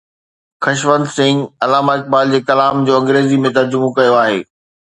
خشونت سنگهه علامه اقبال جي ڪلام جو انگريزيءَ ۾ ترجمو ڪيو آهي